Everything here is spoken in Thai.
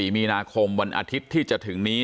มีนาคมวันอาทิตย์ที่จะถึงนี้